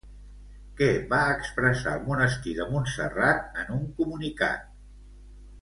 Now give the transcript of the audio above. Què va expressar el monestir de Montserrat en un comunicat?